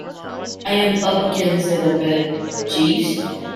I am up against it a bit, Jeeves.